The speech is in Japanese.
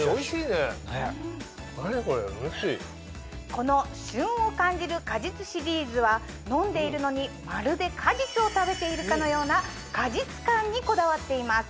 この旬を感じる果実シリーズは飲んでいるのにまるで果実を食べているかのような果実感にこだわっています。